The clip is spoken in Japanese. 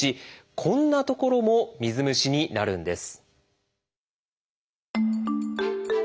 こんな所も水虫になるんです。